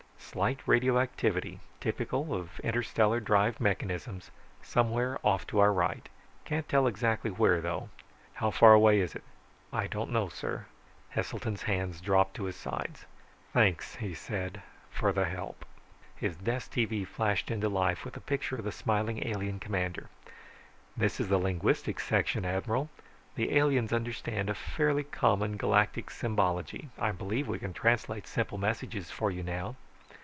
"Slight radioactivity, typical of interstellar drive mechanisms, somewhere off to our right. Can't tell exactly where, though." "How far away is it?" "I don't know, sir." Heselton's hands dropped to his sides. "Thanks," he said, "for the help." His desk tv flashed into life with a picture of the smiling alien commander. "This is the linguistics section, Admiral. The aliens understand a fairly common galactic symbology, I believe we can translate simple messages for you now."